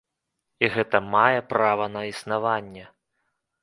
І гэта мае права на існаванне.